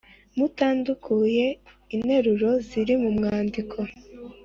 mutandukuye interuro ziri mu mwandiko.